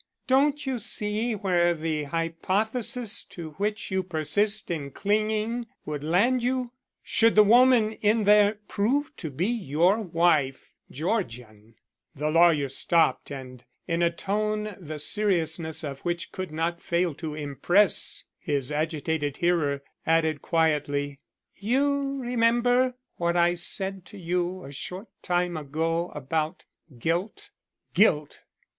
Don't you see where the hypothesis to which you persist in clinging would land you? Should the woman in there prove to be your wife Georgian " The lawyer stopped and, in a tone the seriousness of which could not fail to impress his agitated hearer, added quietly, "you remember what I said to you a short time ago about guilt." "Guilt!"